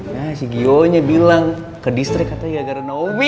nah si gio nya bilang ke distrax katanya gara gara naomi